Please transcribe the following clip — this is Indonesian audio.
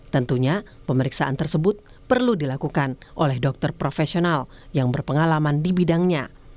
tentunya pemeriksaan tersebut perlu dilakukan oleh dokter profesional yang berpengalaman di bidangnya